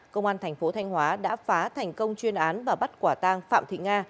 công an tp thanh hóa đã phá thành công chuyên án và bắt quả tang phạm thị nga